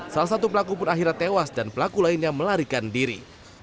salah satu pelaku pun akhirnya tewas dan pelaku lainnya melarikan diri